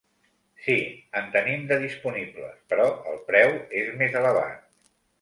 Sí, en tenim de disponibles, però el preu és més elevat.